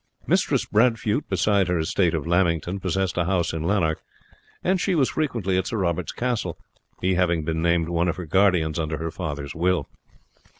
Mistress Bradfute, besides her estate of Lamington, possessed a house in Lanark; and she was frequently at Sir Robert's castle, he having been named one of her guardians under her father's will.